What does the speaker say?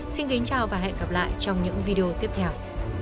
xin kính chào và hẹn gặp lại trong những video tiếp theo